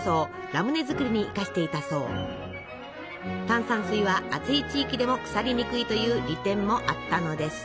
炭酸水は暑い地域でも腐りにくいという利点もあったのです。